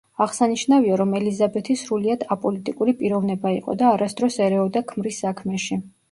აღსანიშნავია, რომ ელიზაბეთი სრულიად აპოლიტიკური პიროვნება იყო და არასდროს ერეოდა ქმრის საქმეში.